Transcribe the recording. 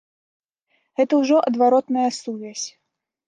Гэта ўжо адваротная сувязь.